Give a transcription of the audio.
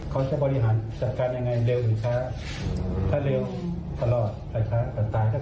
เขาจะบริหารจัดการยังไงเร็วหรือค้าถ้าเร็วตลอดแต่ค้าก็แค่นั่นเอง